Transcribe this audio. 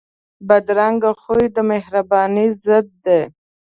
بدرنګه خوی د مهربانۍ ضد دی